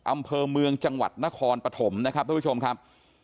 อำเภอเมืองจังหวัดนครปฐมนะครับทุกผู้ชมครับ